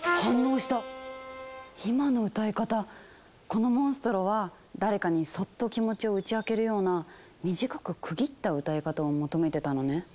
このモンストロは誰かにそっと気持ちを打ち明けるような短く区切った歌い方を求めてたのね。